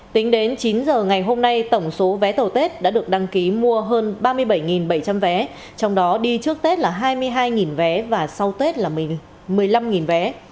tính đến chín giờ ngày hôm nay tổng số vé tàu tết đã được đăng ký mua hơn ba mươi bảy bảy trăm linh vé trong đó đi trước tết là hai mươi hai vé và sau tết là một mươi năm vé